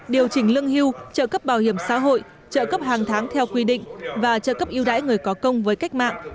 điều chỉnh lương hưu trợ cấp bảo hiểm xã hội trợ cấp hàng tháng theo quy định và trợ cấp yêu đãi người có công với cách mạng